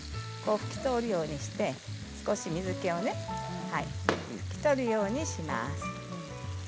拭き取るようにして少し水けをね拭き取るようにします。